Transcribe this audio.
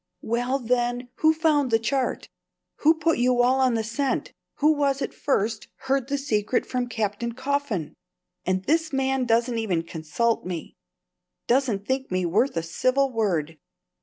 "Well, then, who found the chart? Who put you all on the scent? Who was it first heard the secret from Captain Coffin? And this man doesn't even consult me doesn't think me worth a civil word!